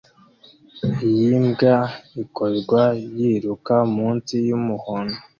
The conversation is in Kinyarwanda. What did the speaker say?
Iyi mbwa ikorwa yiruka munsi yumuhondo